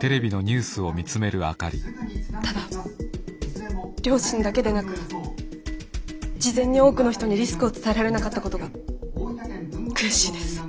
ただ両親だけでなく事前に多くの人にリスクを伝えられなかったことが悔しいです。